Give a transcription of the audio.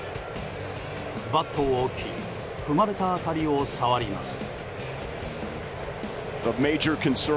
バットを置き踏まれた辺りを触ります。